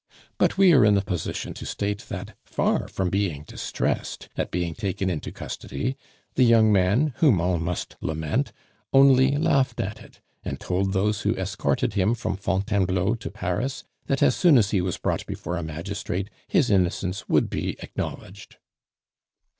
But we are in a position to state that, far from being distressed at being taken into custody, the young man, whom all must lament, only laughed at it, and told those who escorted him from Fontainebleau to Paris that as soon as he was brought before a magistrate his innocence would be acknowledged."